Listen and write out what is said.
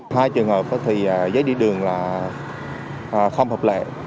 hai trường hợp thì giấy đi đường là không hợp lệ